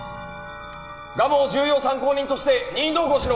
蒲生を重要参考人として任意同行しろ！